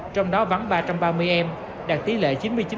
trong đó vắng ba trăm ba mươi em đạt tỷ lệ chín mươi chín sáu mươi ba